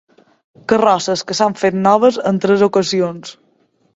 Carrosses que s'han fet noves en tres ocasions.